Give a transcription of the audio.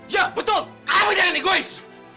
ya betul kamu jangan egois